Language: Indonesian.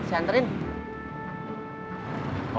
di sini juga gak diinjual